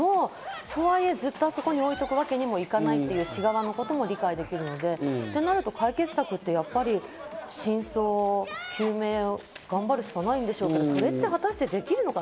とはいえ、ずっとそこに置いておくわけにもいかないという市側のことも理解できるので、となると解決策ってやっぱり真相究明を頑張るしかないんでしょうけど、それって果たしてできるのかな？